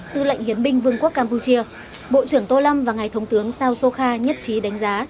tư lệnh hiến binh vương quốc campuchia bộ trưởng tô lâm và ngài thống tướng sao sokha nhất trí đánh giá